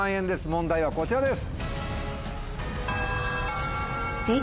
問題はこちらです。